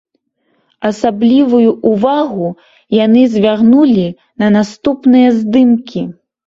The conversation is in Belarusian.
Асаблівую ўвагу яны звярнулі на наступныя здымкі.